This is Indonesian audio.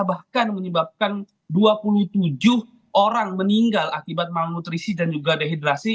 bahkan menyebabkan dua puluh tujuh orang meninggal akibat malnutrisi dan juga dehidrasi